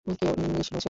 কেউ ইংলিশ বোঝে?